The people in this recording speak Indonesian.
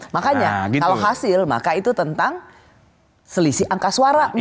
makanya kalau hasil maka itu tentang selisih angka suara